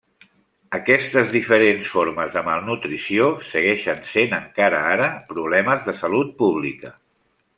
Aquestes diferents formes de malnutrició segueixen sent, encara ara, problemes de salut pública.